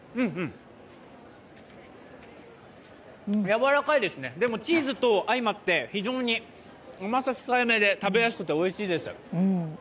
やわらかいですね、でも、チーズと相まって非常に甘さ控えめで食べやすくておいしいです。